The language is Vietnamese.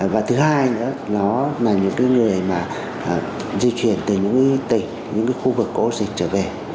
và thứ hai nữa nó là những người di chuyển từ những tỉnh những khu vực cổ dịch trở về